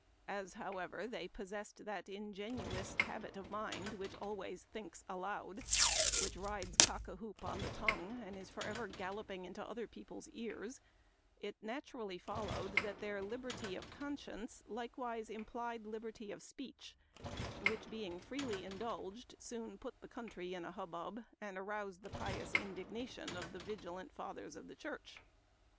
" As, however, they possessed that ingenuous habit of mind which always thinks aloud, which rides cock a hoop on the tongue and is forever galloping into other people's ears, it naturally followed that their liberty of conscience likewise implied liberty of speech, which, being freely in dulged, soon put the country in a hubbub, and aroused the pious indignation of the vigilant fathers of the Church.